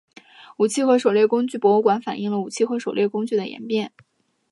武器和狩猎工具博物馆反映了武器和狩猎工具的演变。